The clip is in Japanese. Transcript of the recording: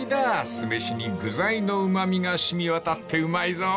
［酢飯に具材のうま味が染み渡ってうまいぞ］